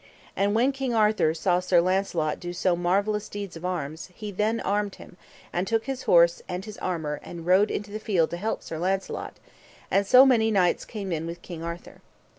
And when King Arthur saw Sir Launcelot do so marvellous deeds of arms he then armed him, and took his horse and his armour, and rode into the field to help Sir Launcelot; and so many knights came in with King Arthur.